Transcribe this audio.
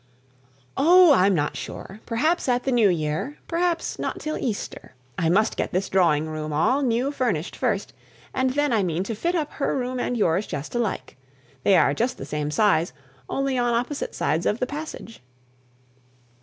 "Oh! I'm not sure; perhaps at the new year perhaps not till Easter. I must get this drawing room all new furnished first; and then I mean to fit up her room and yours just alike. They are just the same size, only on opposite sides of the passage."